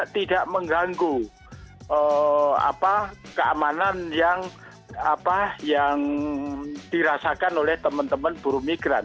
tidak mengganggu keamanan yang dirasakan oleh teman teman buruh migran